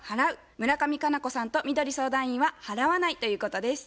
村上佳菜子さんとみどり相談員は「払わない」ということです。